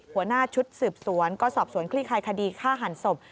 หัวหน้าชุดสืบสวนก็สอบสวนคลี่คลายคดีฆ่าหันศพ